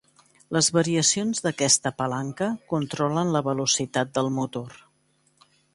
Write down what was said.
Les variacions d'aquesta palanca controlen la velocitat del motor.